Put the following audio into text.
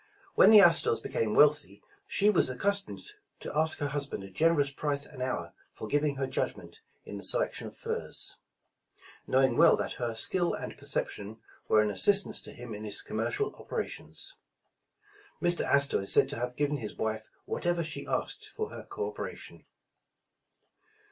When the Astors became wealthy, she was ac customed to ask her husband a generous price an hour for giving her judgment in the selection of furs, know ing well that her skill and perception were an assistance to him in his commercial operations. Mr. Astor is said to have given his wife whatever she asked for her co operation.